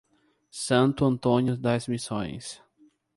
Santo Antônio das Missões